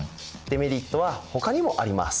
デメリットはほかにもあります。